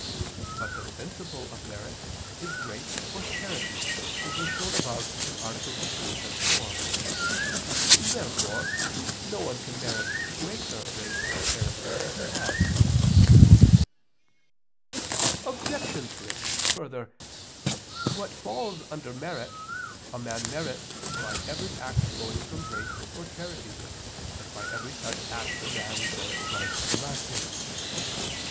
But the principle of merit is grace or charity, as was shown above (AA. 2, 4). Therefore no one can merit greater grace or charity than he has. Obj. 3: Further, what falls under merit a man merits by every act flowing from grace or charity, as by every such act a man merits life everlasting.